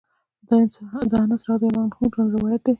د انس رضی الله عنه نه روايت دی: